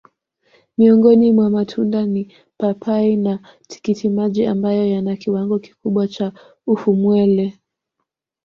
Miongoni mwa matunda ni papai na tikitimaji ambayo yana kiwango kikubwa cha ufumwele